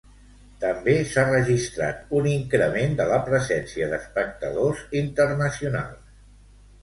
També s'ha registrat un increment de la presència d'espectadors internacionals.